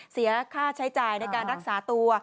เสียค่าใช้จ่ายในการรักษาตัว